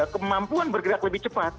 kemampuan bergerak lebih cepat